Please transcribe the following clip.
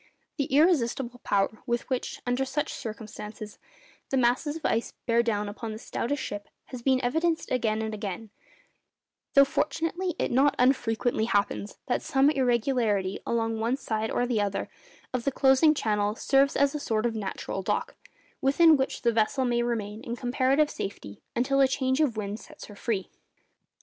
The irresistible power with which, under such circumstances, the masses of ice bear down upon the stoutest ship, has been evidenced again and again; though, fortunately, it not unfrequently happens that some irregularity along one side or the other of the closing channel serves as a sort of natural dock, within which the vessel may remain in comparative safety until a change of wind sets her free.